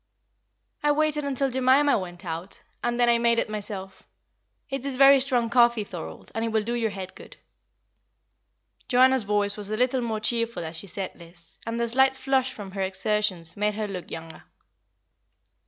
"I waited until Jemima went out, and then I made it myself. It is very strong coffee, Thorold, and it will do your head good." Joanna's voice was a little more cheerful as she said this, and the slight flush from her exertions made her look younger.